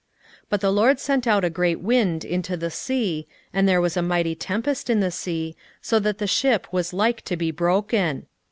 1:4 But the LORD sent out a great wind into the sea, and there was a mighty tempest in the sea, so that the ship was like to be broken.